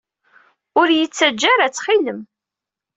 Ur iyi-ttaǧǧa ara, ttxil-m!